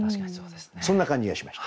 そんな感じがしました。